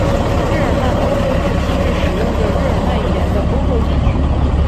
日耳曼欧洲是今日使用着日耳曼语言的欧洲地区。